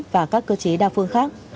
và các cơ chế đa phương khác